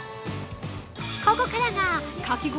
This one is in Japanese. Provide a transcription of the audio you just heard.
ここからがかき氷